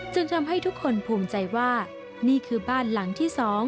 ทำให้ทุกคนภูมิใจว่านี่คือบ้านหลังที่๒